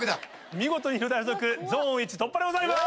見事に広大附属ゾーン１突破でございます。